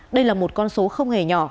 đây là một con số không hề nhỏ